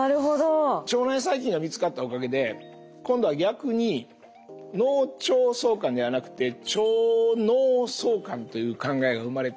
腸内細菌が見つかったおかげで今度は逆に「脳腸相関」ではなくて「腸脳相関」という考えが生まれてきて。